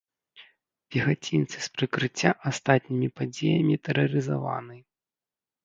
Пехацінцы з прыкрыцця астатнімі падзеямі тэрарызаваны.